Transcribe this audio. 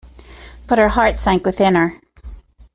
But her heart sank within her.